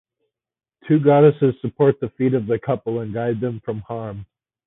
Two goddesses support the feet of the couple and guide them from harm.